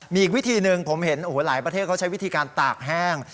มีอีกวิธีหนึ่งผมเห็นโอ้โหหลายประเทศเขาใช้วิธีการตากแห้ง